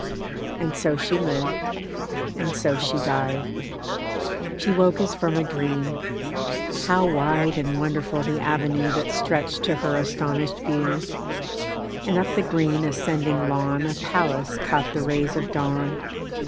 And so she lived, and so she died. She woke as from a dream. How wide And wonderful the avenue That stretched to her astonished view! And up the green ascending lawn A palace caught the rays of dawn.